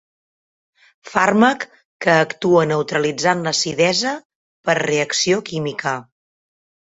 Fàrmac que actua neutralitzant l'acidesa per reacció química.